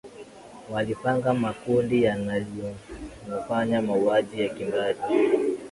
walipanga makundi yaliyofanya mauaji ya kimbari